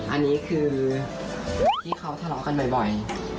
อันนี้คือที่เขาทะเลาะกันบ่อย